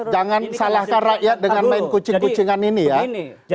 jangan salahkan rakyat dengan main kucing kucingan ini ya